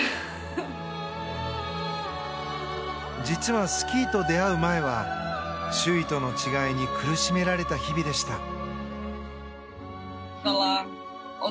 実は、スキーと出会う前は周囲との違いに苦しめられた日々でした。